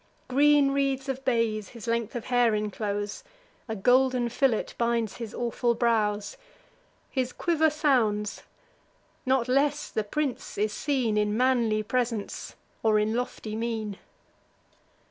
Green wreaths of bays his length of hair inclose; A golden fillet binds his awful brows; His quiver sounds: not less the prince is seen In manly presence, or in lofty mien.